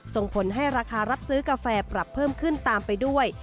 ส่งผลให้ราคารับซื้อกาแฟปรับเพิ่มขึ้นตามไปด้วย